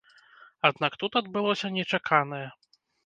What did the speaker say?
Аднак тут адбылося нечаканае.